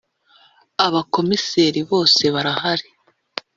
Abakomiseri bose barahari.